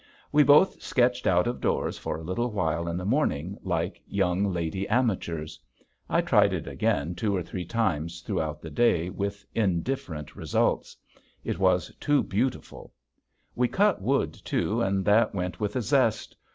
We both sketched out of doors for a little while in the morning like young lady amateurs. I tried it again two or three times throughout the day with indifferent results; it was too beautiful. We cut wood too, and that went with a zest.